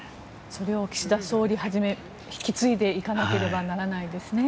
それを岸田総理はじめ引き継いでいかなければならないですね。